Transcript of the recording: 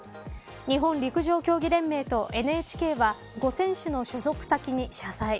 日本陸上競技連盟とＮＨＫは５選手の所属先に謝罪。